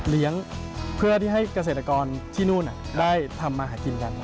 เลี้ยงเพื่อที่ให้เกษตรกรที่นู่นได้ทำมาหากินกัน